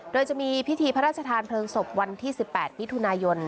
โดยจะมีพิธีพระราชทานเพลิงศพวันที่๑๘มิถุนายน